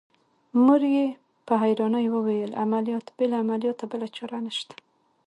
مور يې په حيرانۍ وويل عمليات بې له عملياته بله چاره نشته.